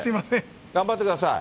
頑張ってください。